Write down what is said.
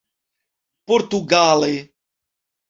portugale